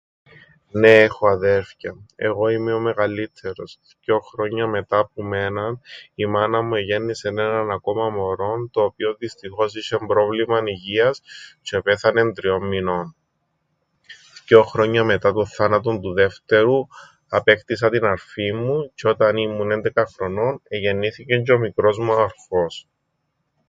Νναι έχω αδέρφκια, εγώ είμαι ο μεγαλλύττερος. Θκυο χρόνια μετά που εμέναν η μάνα μου εγέννησεν έναν ακόμα μωρόν το οποίον δυστυχώς είσ̆εν πρόβλημαν υγείας τζ̆αι επέθανεν τριών μμηνών. Θκυο χρόνια μετά τον θάνατον του δεύτερου απέκτησα την αρφήν μου τζ̆' όταν ήμουν έντεκα χρονών εγεννήθηκεν τζ̆αι ο μικρός μου ο αρφός.